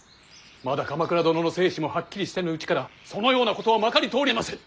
まだ鎌倉殿の生死もはっきりせぬうちからそのようなことはまかり通りませぬ。